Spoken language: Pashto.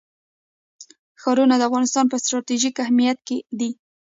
ښارونه د افغانستان په ستراتیژیک اهمیت کې دي.